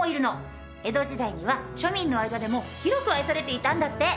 江戸時代には庶民の間でも広く愛されていたんだって！